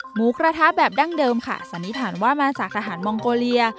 หมูกระทะแบบดั้งเดิมค่ะสันนิษฐานว่ามาจากทหารมองโกเลีย